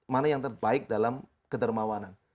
mana yang terbaik dalam kedermawanan